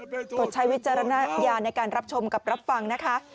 โปรดใช้วิจารณญาณในการรับชมกับรับฟังนะคะ